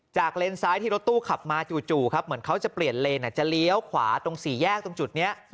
เลนซ้ายที่รถตู้ขับมาจู่ครับเหมือนเขาจะเปลี่ยนเลนจะเลี้ยวขวาตรงสี่แยกตรงจุดนี้